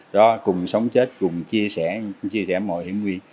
đó cùng sống chết cùng chia sẻ mọi hiểm nguyên